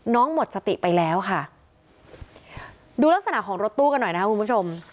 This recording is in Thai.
หมดสติไปแล้วค่ะดูลักษณะของรถตู้กันหน่อยนะครับคุณผู้ชม